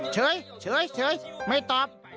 เฉยเฉยเฉยไม่ตอบ